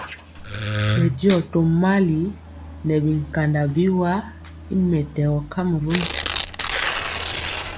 Bɛndiɔ tomali nɛ bikanda biwa y mɛtɛgɔ kamarun.